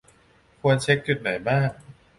ควรเช็กจุดไหนบ้าง